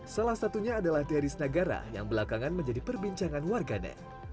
salah satunya adalah darius negara yang belakangan menjadi perbincangan warga negara